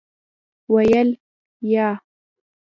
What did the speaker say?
ویل : یا .